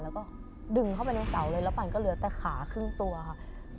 แล้วก็ดึงเข้าไปในเสาเลยแล้วปั่นก็เหลือแต่ขาครึ่งตัวค่ะ